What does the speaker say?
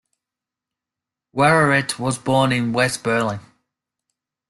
Wowereit was born in West Berlin.